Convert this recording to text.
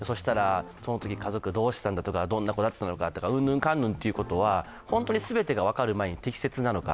そのとき家族はどうしていたんだとか、どういう子だったのかとかうんぬんかんぬんということは本当に全てが分かる前に適切なのか